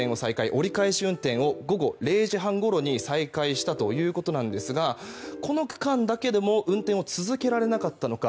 折り返し運転を午後０時半ごろに再開したということなんですがこの区間だけでも運転を続けられなかったのか。